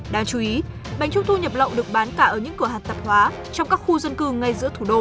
đáng chú ý bánh trung thu nhập lậu được bán cả ở những cửa hàng tạp hóa trong các khu dân cư ngay giữa thủ đô